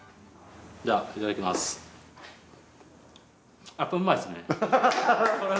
じゃあいただきます。